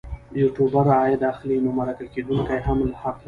یوټوبر عاید اخلي نو مرکه کېدونکی هم حق لري.